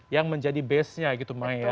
yang menjadi base nya gitu mai ya